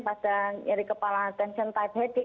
pada nyeri kepala tension type headache